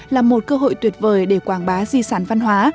là một cơ hội tuyệt vời để quảng bá di sản văn hóa